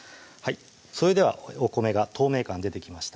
それではお米が透明感出てきました